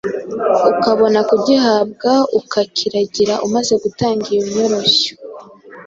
ukabona kugihabwa ukakiragira umaze gutanga iyo nyoroshyo.